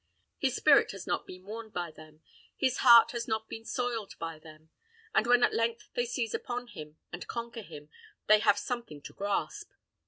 His spirit has not been worn by them; his heart has not been soiled by them; and when at length they seize upon him, and conquer him, they have something to grasp.